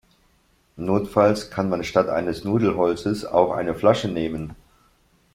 Notfalls kann man statt eines Nudelholzes auch eine Flasche nehmen.